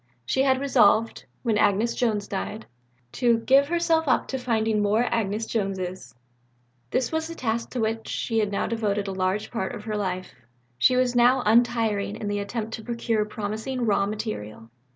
She had resolved, when Agnes Jones died, to "give herself up to finding more Agnes Joneses." This was the task to which she now devoted a large part of her life. She was still untiring in the attempt to procure promising raw material.